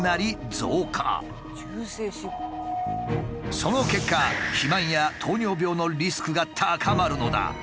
その結果肥満や糖尿病のリスクが高まるのだ。